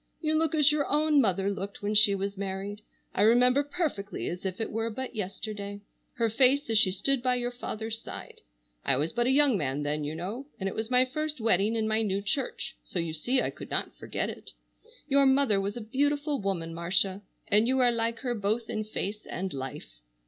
You look as your own mother looked when she was married. I remember perfectly as if it were but yesterday, her face as she stood by your father's side. I was but a young man then, you know, and it was my first wedding in my new church, so you see I could not forget it. Your mother was a beautiful woman, Marcia, and you are like her both in face and life."